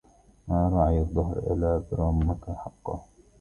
ما رعى الدهر آل برمك حقا